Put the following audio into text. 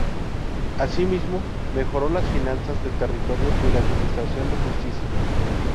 Así mismo, mejoró las finanzas del territorio y la administración de justicia.